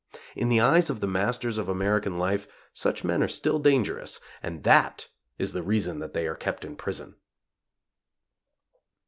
In the eyes of the masters of American life, such men are still dangerous, and that is the reason that they are kept in prison.